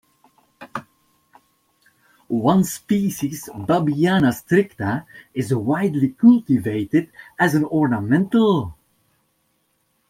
One species, "Babiana stricta", is widely cultivated as an ornamental.